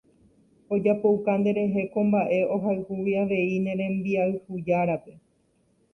Ojapouka nderehe ko mba'e ohayhúgui avei ne rembiayhujárape.